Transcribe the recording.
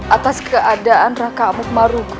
atas keadaan raka amuk maruguh